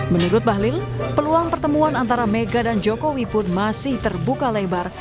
menurut bahlil peluang pertemuan antara mega dan jokowi pun masih terbuka lebar